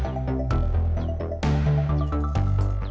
lalu kita akan mencoba menggunakan sarung tangan